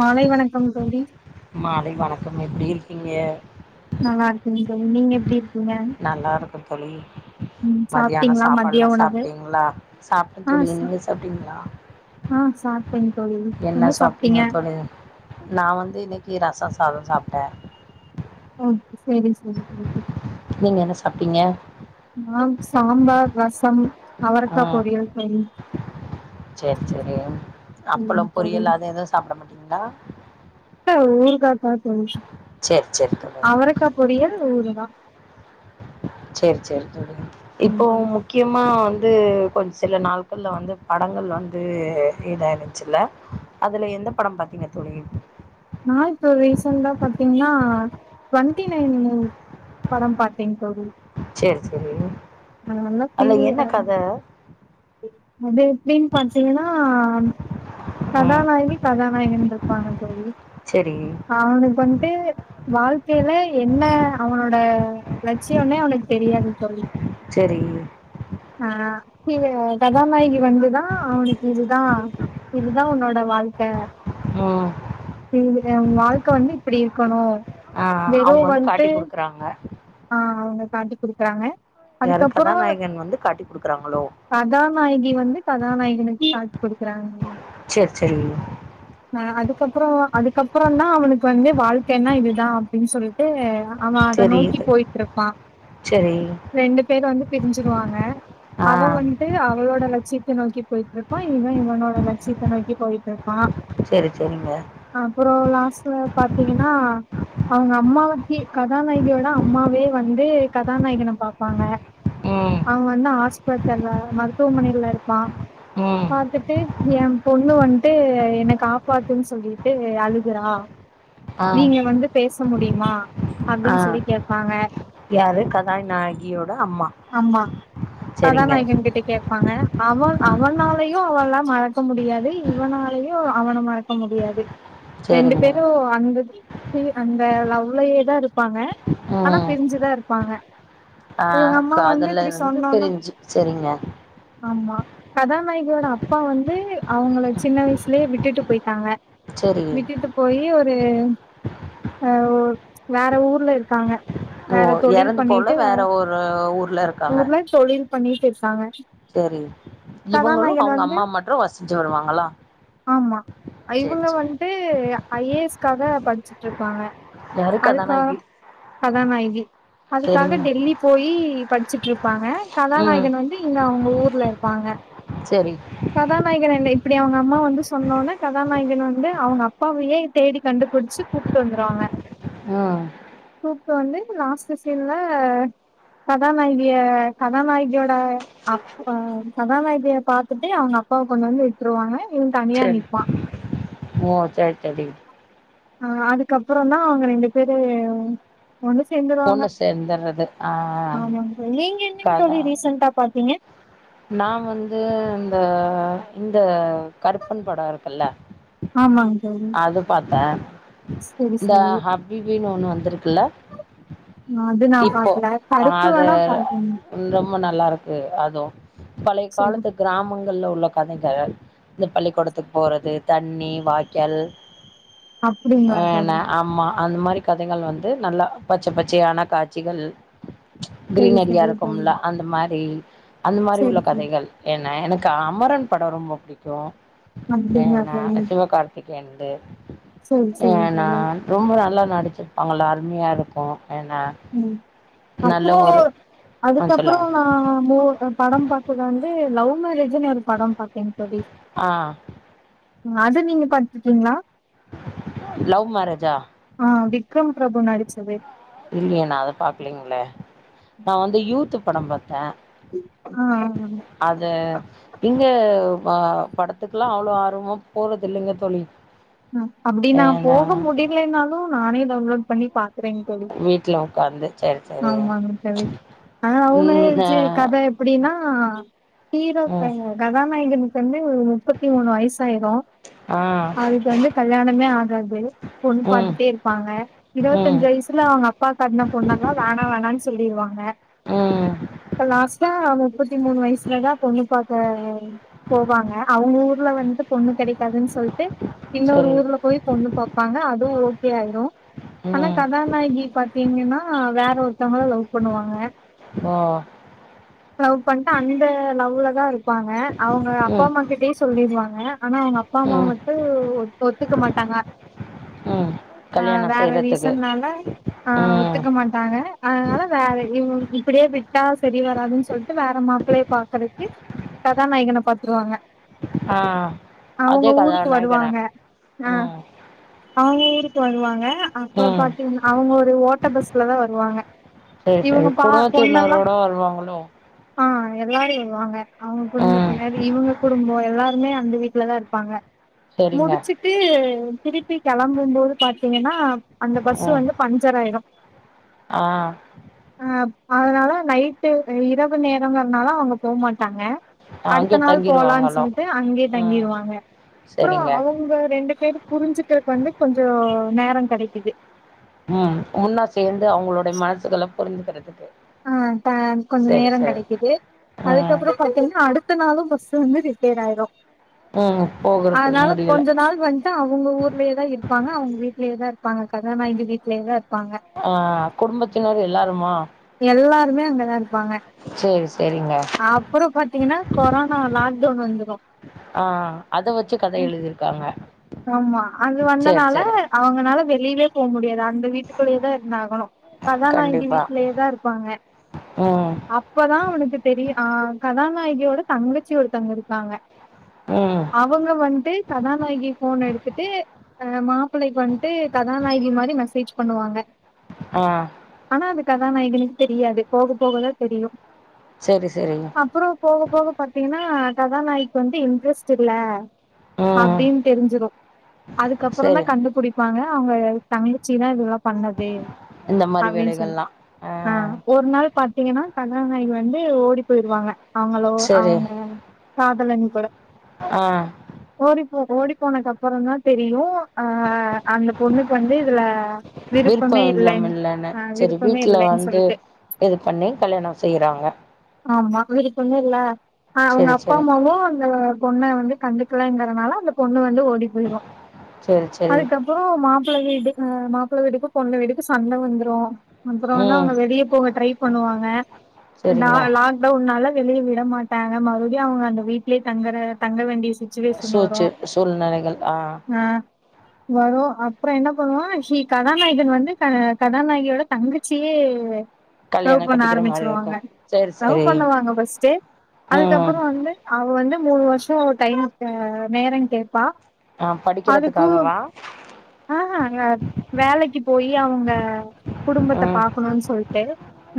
மாலை வணக்கம் தோழி எப்டி இருக்கீங்க நல்லாருக்கேங்க தோழி நீங்க எப்டி இருக்கீங்க நல்லா இருக்கோ பழைய ம் மதியானம் சாப்ட்டீங்களா மதிய சாப்பாடுல்லாம் உணவு சாப்ட்டீங்களா சாப்பட்டேன் ஆ தோழி சா நீங்க சாப்ட்டீங்களா ஆ சாப்ட்டேங்க தோழி என்ன சாப்ட்டீங்க தோழி நான் வந்து இன்னைக்கு ரசம் சாதம் சாப்ட்டேன் அட [unintelligible] ஓ சரி சரி நீங்க என்ன சாப்ட்டீங்க நான் சாம்பார் ரசம் அவரக்கா ம் பொரியல் தோழி சரி சரி இல்லைங்க அப்பளம் தோழி பொரியல் அது எதுவும் சாப்ட மாட்ட இன்னா ஊருகாய் தான் தோழி சரி சரி தோழி அவரக்கா பொரியல் ஊருகாய் சரி சரி தோழி இப்போ ம் தோழி முக்கியமா வந்து கொஞ்சம் சில நாட்கள்ல வந்து படங்கள் வந்து இதாயிருந்துச்சுல்ல அதுல எந்த படம் பாத்தீங்க தோழி நான் இப்ப ரீசென்டா பார்த்தீங்கன்னா ட்வெண்ட்டி நைன் படம் பார்த்தேங்க தோழி சரி சரி அதுல என்ன கத அது எப்படின்னு பார்த்தீங்கன்னா ம் கதாநாயகி கதா நாயகன் இருப்பாங்க தோழி செரி அவனுக்கு வந்ட்டு வாழ்க்கையில என்ன அவனோட லட்சியம்னே அவனுக்கு தெரியாது தோழி செரி ஆ இது கதாநாயகி வந்துதான் அவனுக்கு இதுதான் இதுதான் உன்னோட வாழ்க்க ம் உன் வாழ்க்க வந்து இப்படி இருக்கணு ஆ அவங்க வந்து காட்டி கொடுக்குறாங்க ஆ அவங்க காட்டி கொடுக்குறாங்க அதுக்கப்புறம் வந்து காட்டி குடுக்குறாங்களோ கதாநாயகி வந்து கதாநாயகனுக்கு காட்டி கொடுக்குறாங்க செரி செரி ஆ அதுக்கப்புற அதுக்கப்புறம் தான் அவனுக்கு வந்து வாழ்க்கை என்ன இதுதான் அப்படின்னு சொல்லிட்டு அவன் அத செரி நோக்கி இது போயிட்டு இருப்பான் செரி ரெண்டு பேர் வந்து பிரிஞ்சிருவாங்க ஆ அவ வந்ட்டு அவளோட லட்சியத்தை நோக்கி போயிட்டு இருப்பான் இவங்க இவனோட லட்சியத்தை நோக்கி போயிட்டு இருப்பான் சரி அப்புறம் லாஸ்ட்ல பாத்தீங்கன்னா அவங்க அம்மாவுக்கே கதாநாயகியோட அம்மாவே வந்து கதாநாயகன பார்ப்பாங்க ம் அவன் வந்து ஆஸ் [unintelligible] மருத்துவமனைல இருப்பா ம் பாத்துட்டு எ பொண்ணு வன்ட்டு என காப்பாத் தூனு சொல்லிட்டு அழுகுறா ஆ நீங்க வந்து பேஸ் ச முடியுமா அப்டின் ஆ சொல்லி கேப்பாங்க யாரு கதாநாயகியோட அம்மா ஆமா செரிங்க கதாநாயகன் கிட்ட கேப்பாங்க அவன் ஆ அவனாலயு அவள மறக்க முடியாது இவனாலயு அவன மறக் க முடியாது ரெண்டு செரிங்க பேரு அந்த தி அந்த லவ்லயே தா இருப்பாங்க ஆனா பிரிஞ்சுதா இருப் பாங்க அ காதல்ல இருந்து பிரிஞ்சு சரிங்க கதாநாயகரோட அப்பா வந்து அவங்கள சின்ன வயசுலேயே விட்டுட்டு போய் பாங்க செரி விட்டுட்டு போயி ஒரு அ ஓ வேற ஊர்ல இருக்காங்க ஓ வேற தொழில் எறந்து போல பண்ணிட்டு வேற ஒரு ஊர்ல இருக்காங்க ஊர்ல தொழில் பண்ணிட்டு இருக்காங்க சரி இவங்களு கதாநாயகன் அவுங்க வந்து அம்மா மட்று வசுச்சு வருவாங்களா ஆமா சேரி இவங்க சேரி வன்ட்டு ஐ ஏ எஸ்காக படுச்சுட்டு இருப்பாங்க யாருக்கு அதுக்கா அதானாகி கதாநாய்கி அதுக்காக சரிங்க டெல்லி போயி படுச்சுட் இருப்பாங்க ம் கதாநாயகன் வந்து இங்க அவுங்க ஊர்ல இருப்பாங்க சரி கதாநாயகன் என்ன இப் இப்டி அவுங்க அம்மா வந்து சொன்னோன்னே கதாநாய்கன் வந்து அவுங்க அப்பாவயே தேடி கண்டுபுடுச்சு கூப்டு வந்துருவாங்க ஆ கூப்டு வந்து லாஸ்டு சீன்ல கதாநாய்கிய கதாநாயிகியோட அப்பா கதாநாயிகிய பாத்துட்டு அவுங்க அப்பாவ கொண்டு வந்து விட்டுருவாங்க இவன் தனியா சரி நிப் ஓ சர் சரி அ அதுக்கப்றோ தா அவுங்க ரெண்டு பேரு ஒண்ணு சேந்துருவாங்க ஒண்ணு சேந்தர்றது ஆ ஆமாங்க தோழி நீங்க என்னங்க கதா தோழி ரீசென்டா பாத்தீங்க நா வந்து இந்த இந்த கருப்பன் படொ இருக்குல ஆமாங்க தோழி அது பாத்தே செரி இந்த செரி ஹபீபீன் ஒன்னு வந் வந்துருக்குல அது நா பாக்ல கருப்பு அது வேணா பாத்தேங் ரொம்ப நல்லா இருக்கு அது பழைய சரி காலத்து கிராமங் கள்ல உள்ள கடைக இந்த பள்ளிகூடதுக்கு போறது தண்ணி வாய்கால் அப்டிங்ளாக தோழி அந்த மாரி கதைகள் வந்து நல்லா பச்ச பச்சயான காட்சிகள் சரி கிரீனரியா சரி தோழி இருக்குல அந்த மாரி அந்த மாரி உள்ள சரி தோழி கதைகள் என்ன எனக் க அமரன் படம் ரொம்ப பிடிக்கு அப்டிங்களா என்ன தோழி சிவகார்த்தி எண்டு சரி ஏ சரி நா தோழி ரொம்பொ நல்லா நடிச்சுருபாங்களா அருமயா இருக் கு ஏனா அப்றொ அதுக்கப்றொ நா மொ படம் பாத்தது வந்து லவ் மேரேஜ்னு ஒரு படம் பாத்தேங் தோழி ஆ அது நீங்க பாத்டீங்களா லவ் மேரேஜா ஆ விக்ரம் பிரபு நடிச்சது இல்லயே நா அத பாக்லீங்ளே நான் வந்து யூத் படம் பாத் த ஆ அது இங்க வா படுத்துக்லா அவ்ளோ ஆர்வமா போறது இல்லைங்க தோழி அப்டி நா போக முடியலனாலு‌ நானே டௌன்லோட் பண்ணி பாக் க்ரேங் தோழி வீட்ல உக்காந்து சேரி சேரி ஆமாங் தோழி ஆ ம் ஆ லவ்மேச்சு கத எப்டினா ஆ ஹீரோ ப்ப ம் கதாநாயகன் [unintelligible] முப்பு முப்பத்தி மூணு வயசாயிரும் ஆ அது வந்து கல்யாணமே ஆகாது பொண் ம் பார்த்துட்டே இருப்பாங்க ம் இருவத்தஞ்சு வயசுல அவங்க அப்பா காட்ன பொண்ணல்லா வேணா வேணனு சொல்லிருவாங்க ம் இப்ப லாஸ்டா முப்பத்தி மூணு வயசுலதான் பொண்ணு பாத் வேறங் போவாங்க அவங்க ஊர்ல வந்து பொண்ணு கிடைக்காதுன்னு சொல்ட்டு ன்னேரூ சரி ஊர்ல போய் பொண்ணூ பாப்பாங்க அதுவூம் ஒத் ஓகே ஐ நோ ஆனா ம் கதாநாயகி பாத்தீங்கன்னா வேற ஒருத்தங்கள லவ் பண்ணுவாங்க ஓ லவ் பண்ணிட்டு அந்த லவ்ல தல் ப்பாங்க அவங்க அப்பா ம் அம்மா கிட்டயூ சொல்லிருவாங்க ஆனா அவங்க அப்பா அம்மா ம் வந்து ஒ ஒத்துக்க மாட்டாங்க ம் ஆ கல்யாணோ வேற செய்றதுக்கு ரீசன்னால ஆ ம் ஒத்துக்க மாட்டாங்க அதனால வேற எப்டியே இப்டியே விட்டா சரி வராதுன்னு சொல்லிட்டு வேற மாப்ளய பாக்கறதுக்கு கதா நாயகன பாத்துருவாங்க ஆ அவங்க அதே கல்யா ஊருக்கு நாயகனா வருவாங்க ஆ அவுங்க ஊ க்கு வருவாங்க ங்க அப்பறம் ம் பாத்தீங்கனா அவுங்க ஒரு ஓட்ட பஸ்ல தா வருவாங்க சரி சரி இவுங்க பாத் பொண்ணலா குடும்பத்தினரோட வருவாங்களோ அ எல்லாரு வருவாங்க அவங்க ம் குடும்பத்தினர் இவங்க குடும்பம் எல்லாருமே வந்து வீட்டுலதா இருப்பாங்க சரிங்க முடுச்சிட்டு திருப்பி கெளம்பும்போது பார்த்தீங்கன்னா அந்த பஸூ ம் வந்து பஞ்சர் ஆயிடு ஆ அ அதனால நைட்டு இரவு நேரம் இங்கறதூனால அவுங்க போவ்மாட்டங்க தங்க அங்கே அடுத்த நாள் போலா தங்கிருவாங்களோ சொல்ட்டு அங்கே ம் தங்கியிருவாங்க அப்புறம் சரிங்க அவங்க ரெண்டு பேர் புரிஞ்சுக்கிறது வந்து கொஞ்சே நேரம் கெடைக்குது உம் ஒன்னா சேர்ந்து அவங்களுடைய மனசுக்கள புரிஞ்சுக்கிறதுக்கு ஆ தா கொஞ் சரி நேரம் சரி கழிச்சிட்டு ம் அதுக்கப்புறம் பாத்தீங்கன்னா அடுத்த நாளும் கொஞ் ச வந்து ரிப்பேர் ஆயிரு ம் போகறதுக்கு அதனால முடியல கொஞ்ச நாள் வந்டு அவங்க ஊர்லயேதா இருப்பாங்க அவூங்க வீட்டுலயேதா இருக் ப்பாங்க கதாநாயகி வீட்லேதா இர் ஆ குடும்பத்தினர் எல்லாருமா எல்லாருமே அங்கதா இருப்பாங்க சரி சரிங்க அப்புறம் பாத்தீங்கன்னா கொரோனா லா க் டவுன் வந்துரு ஆ அத வச்சு கத எழுதிருக்காங்க ஆமா அது வந்தனால அவங்கனால வெளியவே போ முடியாது அந்த வீட்டுக்குள்ளேயே தா இருந்தகணு கதாநாயகி கண்டிப்பா வீட்டுலேயே தா இருப்பாங்க ம் அப்பதா அவனுக்கு தெரியும கதா நாயகியோட தங்கச்சி ஒரு தங்க இருக்காங்க ம் அவங்க வன்ட்டு கதானகி போன் எடுத்துட்டு அ மாப்பிளைைக்கு வந்துட்டு கதாநாயகி மாரி மெசேஜ் பண்ணுவாங்க ஆ ஆனா அது கதாநாயகனுக்கு தெரியாது போக போகதா தெரியு சரி சரி அப்புறம் போக போக பாத்தீங்கன்னா கதாநாயக் வந்து இன்ட்ரெஸ்ட் இல்ல ம் அப்டின்ட் தெரிஞ்சிடு அதுக்கப்புற தா சரி கண்டுபிடிப்பாங்க அவங்க தங்கிச்சி தா இதல்லா பண்ணது இந்த மாரி அப்படின்னு சொல்லி வேலைகள்லா ஆ ஒரு நாள் பாத்தீங்கன்னா கதாநாயக வந்து ஓடி போயிருவாங்க அவங்களோ செரி அவங்க காதலன் கூட ஆ ஓடி போனதுக்கு அப்புற தா தெரியு ஆ அந்த பொண்ணுக்கு வந்து இதுல விருப்பமே விருப்பம் இல்லம் இல்லன் இல்லன்னு ஆ செரி விருப்பமே வீட்ல இல்லைன்னு வந்து சொல்லிட்டு இது பண்ணி கல்யாணம் செய்றாங்க ஆமா விருப்பம் இல்ல அ அவங்க செரி அப்பா செரி அம்மாவு அந்த பொண்ண வந்து கண்டுக்கலாங்கறனால அந்த பொண்ணு வந்து ஓடி போயிரு செரி செரி அதுக்கப்பறம் மாப் மாப்பிளை வீடு் மாப்பிள வீடுக்கு பொண்ண வீடுக்கு சண்ட வந்துரு அப்புறம் வன ம் அவங்க வெளிய போக ட்ரை பண்ணுவாங்க நா செரிங்க லாக்டவுன்னால வெளிய விட மாட்டாங்க மறுபடியு அவங்க அந்த வீடலே தங்கற தங்க வேண்டிய சு சூச்சு சூழ்நிலைகள் ஆ வரு அப்புற என்ன பண்ணுவா ஹி கதாநாயகன் வந்து கதா கதாநாயகியோட தங்கச்சியே லவ் கல்யாணம் பண்ண கட்டிக்கிற மாரி ஆரம்பிச்சிருவாங்க இருக்கும் செரி லவ் செரி பண்ணுவாங்க ஃபர்ஸ்ட் ம் அதுக்கப்புற வந்து அவ வந்து மூணு வருஷ டை டைம் அ நேரம் கேப்பா ஆ அதுக்கு படிக்கிறதுக்காகவா ஆ ஹ அ வேலக்கி போயி அவுங்க குடும்பத்த ம் பாக்கணுன் சொல்ட்டு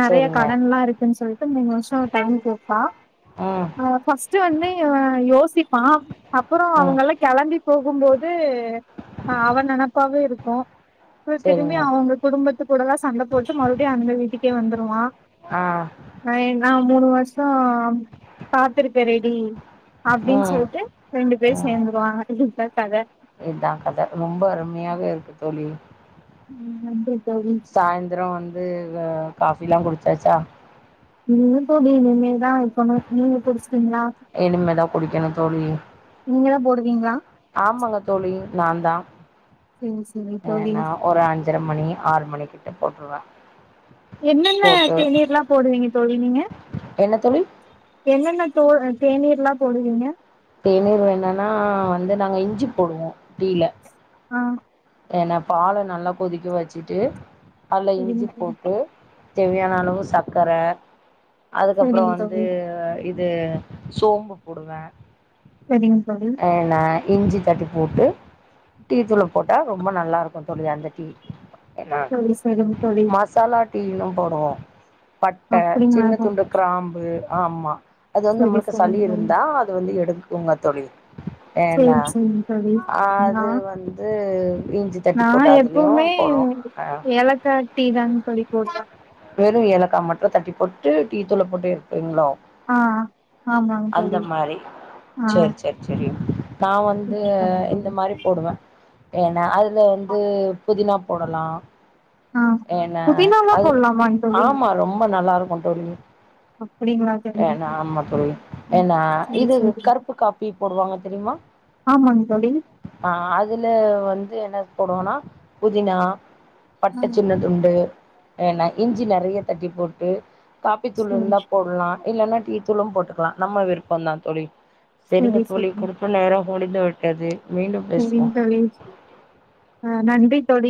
நெறைய செரிங்க கடன்ல்லா இருக்குன் சொல் மூணு வருஷோ டைம் கேப்பா ம் அவ ஃபஸ்டு வந்து இவ யோசிப்பா அப்பறோ ம் அவங்கல்லா கெளம்பி போ போகும்போது ஆ அவ நெனப்பாவே இருக்கு அப்றோ திரும்பி செரிங்க அவுங்க குடும்பத்துக் கூடல்லா சண்ட போட்டு மறுபடியு அந்த வீட்டுக்கே வந்துருவா ஆ நா ஏ நா மூணு வருஷோ காத்திருக்க ரெடி அப்டின் ம் சொல்ட்டு ரெண்டு பேர் சேந்துருவாங்க இதா இத்தா கத ரொம்ப அருமையாக இருக்கு தோழி ம் நன்றி தோழி சாயந்தரோ வந் து ஆ காஃபில்லா குடுச்சாச்சா இல்லன் தோழி இனிமேல் தா வக்கனு நீங்க குடுஸ்டீங்களா இனிமேதா குடிக்கணு தோழி நீங்க தா போடுவீங்ளா ஆமாங்க தோழி நா தா சேரி சேரி தோழி ஏன்னா ஒரு அஞ்ஜர மணி ஆறு மணிக் டீ போட்ருவே என்னென்ன போட்டு தேநீர்லா போடுவீங்க தோழி நீங்க என்ன தோழி என்னன்ன தோ தேநீர்லா போடுவீங்க தேநீர் வேனுன்னா வந்து நாங்க இஞ்சி போடுவோ டீல ஆ ஏனா பால நல்லா கொதிக்க வச்சுட்டு அதுல சரிங்க இஞ்சி தோழி போட்டு தேவையான அளவு சக்கர அதுக்கப்பற சரிங்க வந்து தோழி இது சோம்பு போடுவ செரிங் தோழி இஞ்சி தட்டி போட்டு டீ தூள போட்டா ரொம்ப நல்லாருக்கு தோழி அந்த டீ ம சரி சரிங்க தோழி மசாலா டீயலா போடுவோ பட்ட அப்டிங்களா சின்ன தோழி துண்டு கிராம்பு ஆமா அது வந்து சரி நம்மளுக்கு சளி சரிங்க தோழி இருந்தா அது வந்து எடுக் குங்க தோழி ஏனா சரி சரிங்க தோழி நா அது வந்து இஞ்சி தட்டி நா போட்டு அதுலயு எப்பவுமே போடுவோ ஆ ஏலக்கா டீ தாங்க தோழி போடுவ வெறு ஏலக்காய் மட்டு தட்டி போட்டு டீ தூள போட்டு எறக்விங்ளோ ஆ ஆமாங் தோழி ஆ செரி நா வந்து சரிங்க இந்த தோழி மாரி போடுவ ஏனா அது ல வந்து புதினா போடலா ஆ ஏன்னா புதினாலா அது போடலாமாங்க தோழி ஆமா ரொம்ப நல்லாருக்கு தோழி அப்டிங்களா ஏன்னா ஆமா தோழி ஏன்னா சரி இது சரி கருப்பு காப்பி போடுவாங்க தெரிமா ஆமாங்க தோழி ஆ அதுல வந்து என்ன போட்றோனா புதினா ஆ சின்னதுண்டு ஏன்னா இஞ்சி நெறைய தட்டி போட்டு காப்பி தூள் சரி இருந்தா போடலா இல்லன்னா டீ தூளு போட்டுக்கலா நம்ம விருப்பம்தா தோழி செரிங்க சரி தோழி கொடுத்த நேர முடிந்து விட்டது மீண்டும் பேசுவோம் செரிங் தோழி ஆ நன்றி தோழி